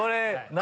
何？